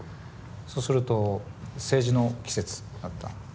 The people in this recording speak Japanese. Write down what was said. そうすると政治の季節あった。